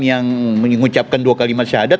yang mengucapkan dua kalimat syahadat